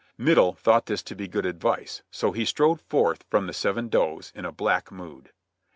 Middle thought this to be good advice, and he strode forth from the "Falcon" in a black mood.